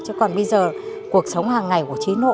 chứ còn bây giờ cuộc sống hàng ngày của trí nộ